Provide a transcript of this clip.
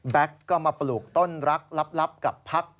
ก็มาปลูกต้นรักลับกับพัก